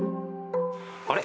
あれ？